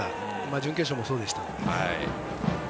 準決勝もそうでしたね。